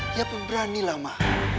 dia pemberanilah ma